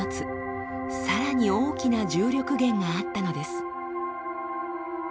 さらに大きな重力源があったのです